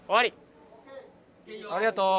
ありがとう。